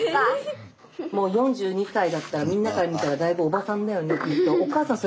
もう４２歳だったらみんなから見たらだいぶおばさんだよねきっと。